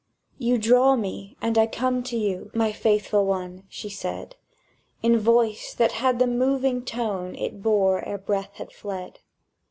"You draw me, and I come to you, My faithful one," she said, In voice that had the moving tone It bore ere breath had fled.